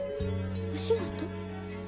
お仕事？